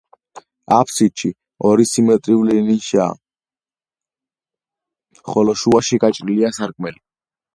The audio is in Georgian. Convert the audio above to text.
აბსიდში ორი სიმეტრიული ნიშაა, ხოლო შუაში გაჭრილია სარკმელი.